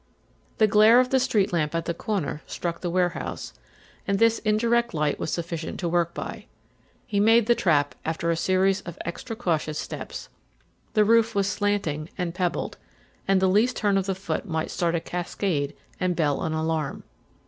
The glare of the street lamp at the corner struck the warehouse, and this indirect light was sufficient to work by. He made the trap after a series of extra cautious steps. The roof was slanting and pebbled, and the least turn of the foot might start a cascade and bell an alarm.